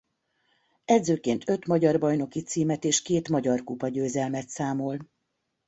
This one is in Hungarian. Edzőként öt magyar bajnoki címet és két magyar kupa győzelmet számol.